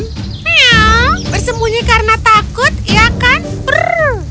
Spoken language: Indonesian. miaw bersembunyi karena takut ya kan prrr